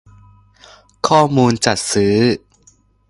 ข้อมูลจัดซื้อ